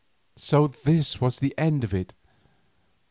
So this was the end of it.